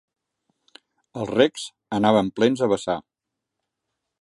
Els recs anaven plens a vessar